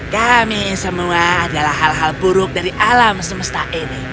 kami semua adalah hal hal buruk dari alam semesta ini